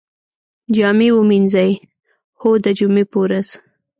جامی ومینځئ؟ هو، د جمعې په ورځ